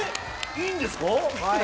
いいんですか？